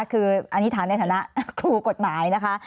คืออันนี้ฐานในฐานะครูกฎหมายนะคะ